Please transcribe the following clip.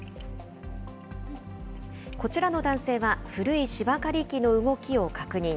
こちらの男性は、古い芝刈り機の動きを確認。